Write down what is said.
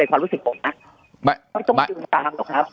ความรู้สึกผมนะไม่ต้องดึงตามหรอกครับ